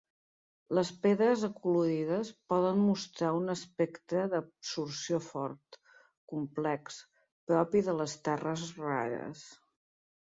Les pedres acolorides poden mostrar un espectre d'absorció fort, complex, propi de les terres rares.